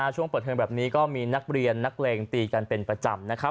ช่วงเปิดเทอมแบบนี้ก็มีนักเรียนนักเลงตีกันเป็นประจำนะครับ